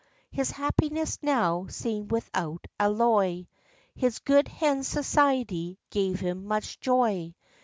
His happiness now seemed without alloy. His good hens' society gave him much joy.